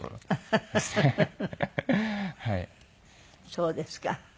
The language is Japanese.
そうですか。